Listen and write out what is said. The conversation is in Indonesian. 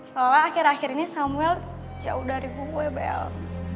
soalnya akhir akhir ini samuel jauh dari gue bella